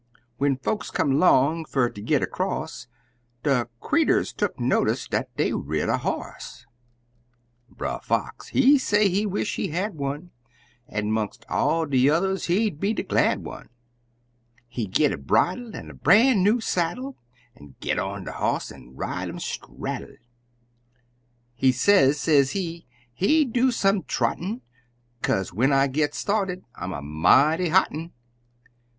When folks come 'long fer ter git across, De creeturs tuck notice dat dey rid a hoss. Brer Fox, he say he wish he had one, An' 'mongst all de yuthers he'd be de glad un; He'd git a bridle an' a bran' new saddle, An' git on de hoss an' ride 'im straddle; He say, sezee, "He'd do some trottin', Kaze when I git started, I'm a mighty hot un!"